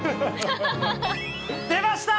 出ました！